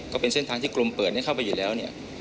ก็เป็นเส้นทางที่กรมเปิดเข้าไปอยู่แล้วเนี่ย